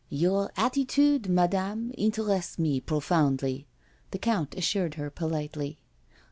*' Your attitude, Madame, interests me profoundly," the Count assured her politely.